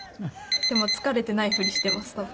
でも疲れてないふりしています多分。